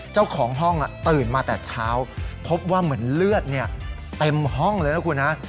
เจ้าของห้องตื่นมาแต่เช้าพบว่าเหมือนเลือดเต็มห้องเลยนะคุณฮะ